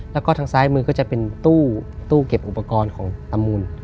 แล้วก็ทางซ้ายมือก็จะเป็นตู้เก็บอุปกรณ์ของอมูล